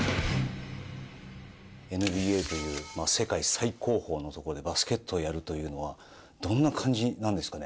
ＮＢＡという世界最高峰のところでバスケットをやるというのはどんな感じなんですかね。